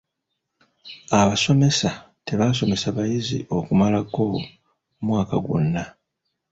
Abasomesa tebaasomesa bayizi okumalako omwaka gwonna.